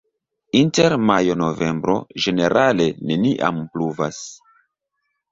Inter majo-novembro ĝenerale neniam pluvas.